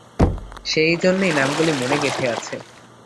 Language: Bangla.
সেই জন্যেই নামগুলি মনে গেথে আছে।